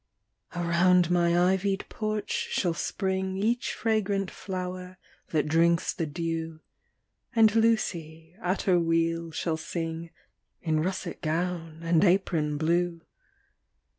Around my ivy'd porch shall spring Each fragrant flower that drinks the dew; And Lucy, at her wheel, shall sing In russet gown and apron blue.